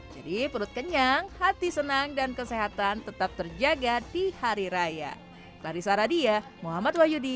jadi perut kenyang hati senang dan kesehatan tetap terjaga di hari raya